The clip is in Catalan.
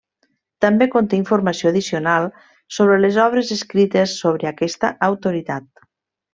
També conté informació addicional sobre les obres escrites sobre aquesta autoritat.